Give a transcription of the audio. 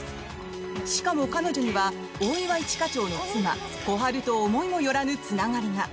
しかも彼女には大岩一課長の妻・小春と思いもよらぬつながりが。